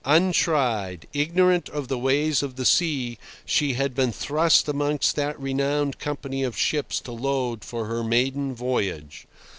Untried, ignorant of the ways of the sea, she had been thrust amongst that renowned company of ships to load for her maiden voyage.